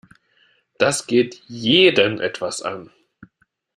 Das geht jeden etwas an.